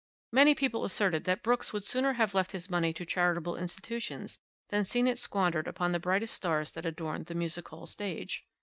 Many people asserted that Brooks would sooner have left his money to charitable institutions than seen it squandered upon the brightest stars that adorned the music hall stage.